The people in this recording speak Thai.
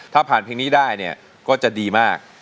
ถ้าผ่านเพลงนี้ได้เนี่ยก็จะดีมาก